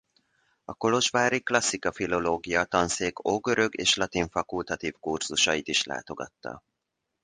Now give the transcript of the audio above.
A kolozsvári klasszika-filológia tanszék ógörög és latin fakultatív kurzusait is látogatta.